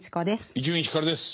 伊集院光です。